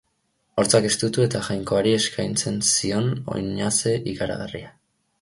Hortzak estutu eta Jainkoari eskaintzen zion oinaze ikaragarria.